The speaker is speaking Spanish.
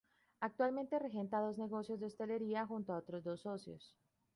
Actualmente regenta dos negocios de hostelería, junto a otros dos socios.